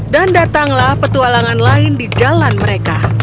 datanglah petualangan lain di jalan mereka